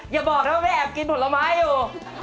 อย่าบอกนะว่าแม่แอบกินผลไม้อยู่